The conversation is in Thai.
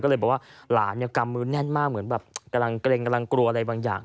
ก็เลยบอกว่าหลานเนี่ยกำมือแน่นมากเหมือนแบบกำลังเกร็งกำลังกลัวอะไรบางอย่าง